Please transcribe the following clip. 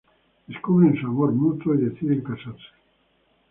Descubren su amor mutuo y deciden casarse.